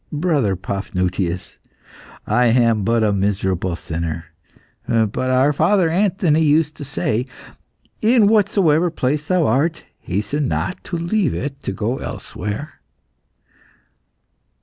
"Brother Paphnutius, I am but a miserable sinner, but our father Anthony used to say, 'In whatsoever place thou art, hasten not to leave it to go elsewhere.